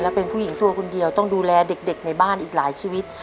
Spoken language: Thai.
เป็นผู้หญิงตัวคนเดียวต้องดูแลเด็กในบ้านอีกหลายชีวิต